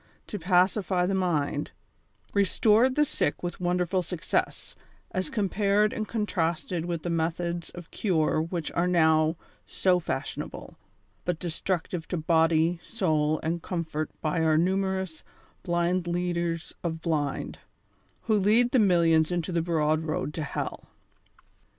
to pacify the mind, restored the sick with wonderful success, as compared and contrasted with the methods of cure which are now so fashionable, but destructive to body, soul and comfort by our numerous blind leaders of blind, who lead the millions into the broad road to hell.